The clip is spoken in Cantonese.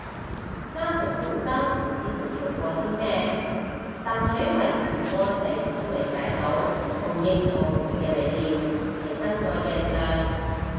家屬本身唔知佢做過啲咩，但喺維權過程都理解到同認同佢嘅理念，係真愛嘅力量